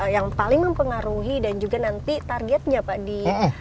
yang paling mempengaruhi dan juga nanti targetnya pak di dua ribu dua puluh empat